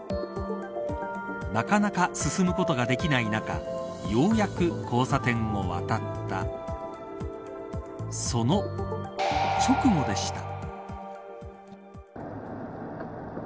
なかなか進むことができない中ようやく交差点を渡ったその直後でした。